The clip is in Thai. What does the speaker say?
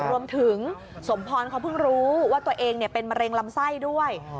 รวมถึงสมพรเขาเพิ่งรู้ว่าตัวเองเป็นมะเร็งลำไส้ด้วย